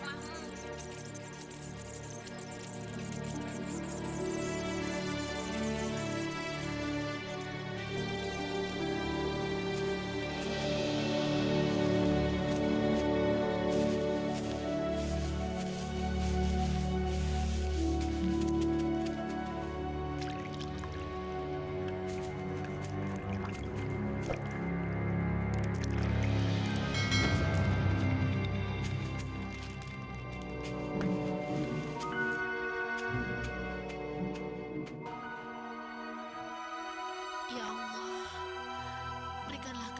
aku dapatnya kesempitan